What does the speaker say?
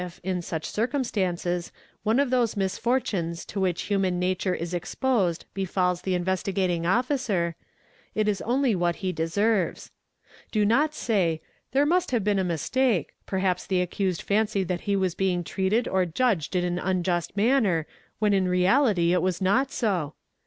in such circumstances, one of those misfortunes to which human nati : is exposed befalls the Investigating Officer, it is only what he deserv Do not say "There must have been a mistake, perhaps the accus fancied that he was being treated or judged in an unjust manner, wh in reality it was not so.